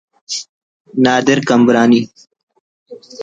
نادر قمبرانی